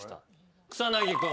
草薙君。